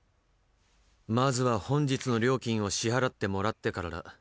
まずは本日の料金を支払ってもらってからだ。